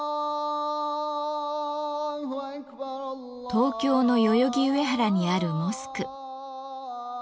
東京の代々木上原にあるモスク。